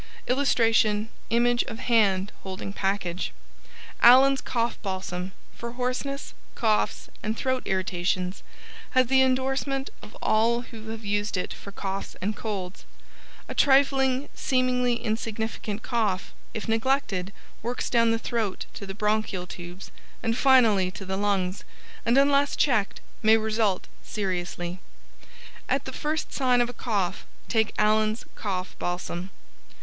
[Illustration: Image of hand holding package.] Allen's Cough Balsam for hoarseness, coughs and throat Irritations HAS THE ENDORSEMENT OF All WHO HAVE USED IT FOR Coughs and Colds A trifling, seemingly insignificant cough, if neglected, works down the throat to the bronchial tubes and finally to the lungs, and unless checked, may result seriously. At the first sign of a cough take Allen's Cough Balsam.